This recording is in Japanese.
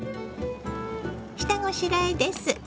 下ごしらえです。